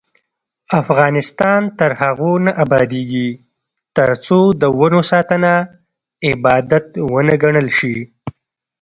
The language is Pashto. افغانستان تر هغو نه ابادیږي، ترڅو د ونو ساتنه عبادت ونه ګڼل شي.